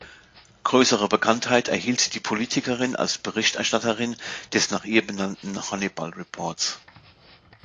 Größere Bekanntheit erhielt die Politikerin als Berichterstatterin des nach ihr benannten Honeyball-Reports.